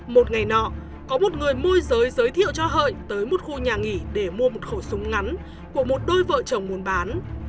một ngày nọ có một người môi giới giới thiệu cho hợi tới một khu nhà nghỉ để mua một khẩu súng ngắn của một đôi vợ chồng muốn bán